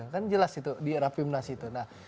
kan jelas itu dierapi menas itu